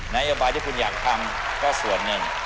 นโยบายที่คุณอยากทำก็ส่วนหนึ่ง